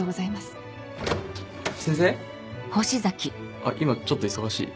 あっ今ちょっと忙しい？